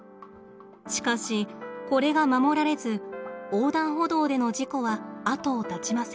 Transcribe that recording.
しかしこれが守られず横断歩道での事故は後を絶ちません。